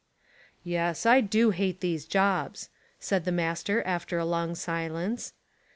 "Yes, I do hate these jobs," said the master after a long silence.